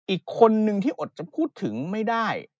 อีกคนนึงที่อดจะพูดถึงไม่ได้